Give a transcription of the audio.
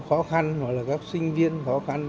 khó khăn hoặc là các sinh viên khó khăn